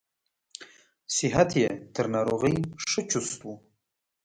صحت یې تر ناروغۍ ښه چست و.